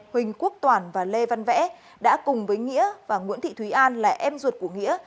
huỳnh quốc toàn và lê văn vẽ đã cùng với nghĩa và nguyễn thị thúy an là em ruột của nghĩa